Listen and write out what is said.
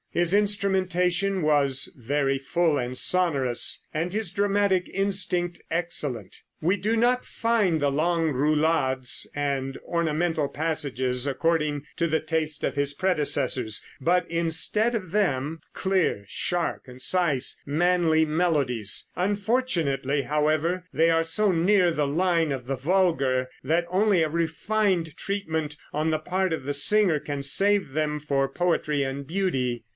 His instrumentation was very full and sonorous, and his dramatic instinct excellent. We do not find the long roulades and ornamental passages according to the taste of his predecessors, but instead of them, clear, sharp, concise, manly melodies unfortunately, however, they are so near the line of the vulgar that only a refined treatment on the part of the singer can save them for poetry and beauty.